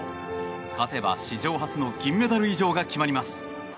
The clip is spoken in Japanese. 勝てば史上初の銀メダル以上が決まります。